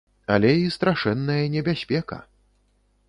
Але і страшэнная небяспека.